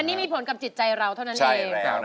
นี่มีผลกับจิตใจเราเท่านั้นเอง